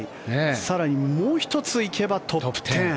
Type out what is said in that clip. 更にもう１つ行けばトップ１０。